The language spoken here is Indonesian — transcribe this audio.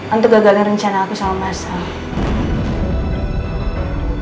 untuk gagalkan rencana aku sama masalah